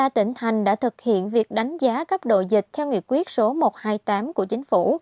ba tỉnh thành đã thực hiện việc đánh giá cấp độ dịch theo nghị quyết số một trăm hai mươi tám của chính phủ